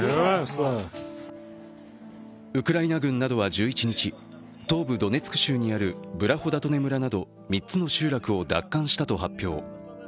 ウクライナ軍などは１１日、東部ドネツク州にあるブラホダトネ村など３つの集落を奪還したと発表。